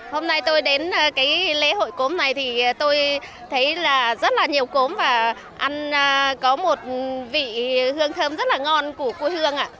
hôm nay tôi đến lễ hội cốm này thì tôi thấy rất là nhiều cốm và ăn có một vị hương thơm rất là ngon của quê hương